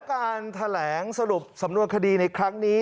การแถลงสรุปสำนวนคดีในครั้งนี้